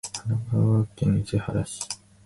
神奈川県伊勢原市